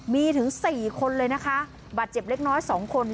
มีถึง๔คนเลยนะคะบาดเจ็บเล็กน้อย๒คน